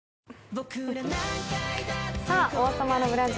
「王様のブランチ」